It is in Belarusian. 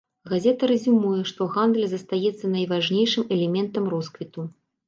Газета рэзюмуе, што гандаль застаецца найважнейшым элементам росквіту.